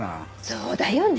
そうだよね。